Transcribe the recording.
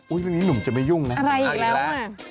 อุ๊ยวันนี้หนุ่มจะไม่ยุ่งนะอะไรอีกแล้วอ่ะ